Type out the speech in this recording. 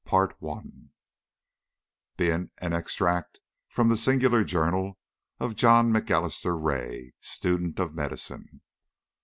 [Being an extract from the singular journal of JOHN M'ALISTER RAY, student of medicine.